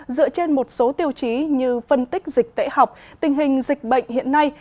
dựa trên một số tiêu chí như phân tích dịch tễ học tình hình dịch bệnh hiện nay